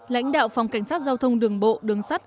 lãnh đạo phòng cảnh sát giao thông đường bộ đường sắt